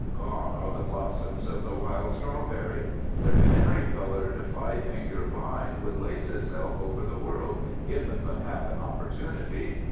Gone are the blossoms of the wild strawberry. The canary colored five finger vine would lace itself over the world, given but half an opportunity.